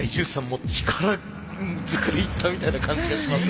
もう力ずくでいったみたいな感じがしますね。